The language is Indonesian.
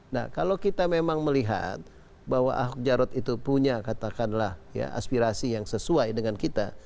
nah kalau kita memang melihat bahwa ahok jarot itu punya katakanlah aspirasi yang sesuai dengan kita